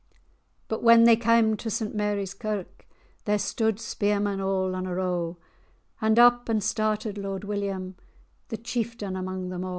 But when they cam to St Mary's Kirk, There stude spearmen all on a row; And up and started Lord William, The chieftaine amang them a'.